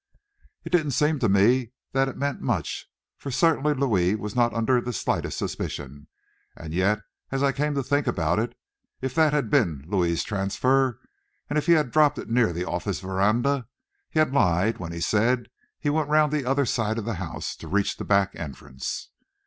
It didn't seem to me that it meant much, for certainly Louis was not under the slightest suspicion. And yet as I came to think about it, if that had been Louis's transfer and if he had dropped it near the office veranda, he had lied when he said that he went round the other side of the house to reach the back entrance.